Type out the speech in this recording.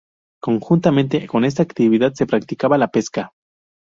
Conjuntamente con esta actividad se practicaba la pesca.